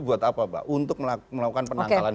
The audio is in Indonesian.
buat apa pak untuk melakukan penangkalan